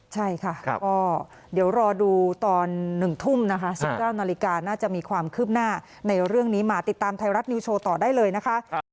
ใช่ค่ะก็เดี๋ยวรอดูตอน๑ทุ่มนะคะ๑๙นาฬิกาน่าจะมีความคืบหน้าในเรื่องนี้มาติดตามไทยรัฐนิวโชว์ต่อได้เลยนะคะ